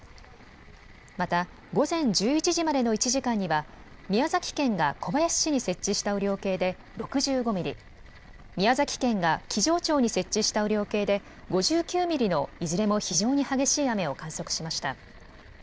また午前１１時までの１時間には、宮崎県が小林市に設置した雨量計で６５ミリ、宮崎県が木城町に設置した雨量計で５９ミリのいずれも非常に激しい雨を観測しました。